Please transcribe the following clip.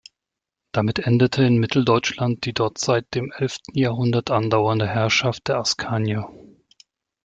Damit endete in Mitteldeutschland die dort seit dem elften Jahrhundert andauernde Herrschaft der Askanier.